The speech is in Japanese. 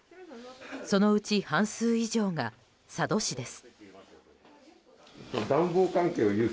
そのうち半数以上が佐渡市です。